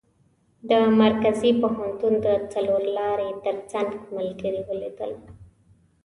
د مرکزي پوهنتون د څلور لارې تر څنګ ملګري ولیدل.